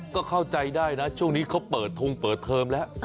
ก็เข้าใจได้นะช่วงนี้เขาเปิดทงเปิดเทอมแล้ว